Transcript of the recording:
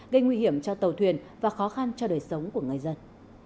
gây nguy hiểm cho tàu thuyền và khó khăn cho đời sống của người dân